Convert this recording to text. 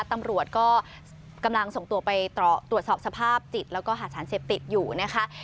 ตำรวจก็กำลังส่งตัวไปตรวจสอบสภาพจิตแล้วก็หาสารเสพติดอยู่นะคะ